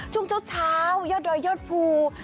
ช่วงเจ้ายอดเพลงยอดผูม